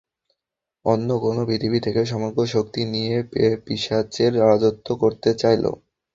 অন্য কোনো পৃথিবী থেকে সমগ্র শক্তি নিয়ে পিশাচের রাজত্ব করতে চাইল।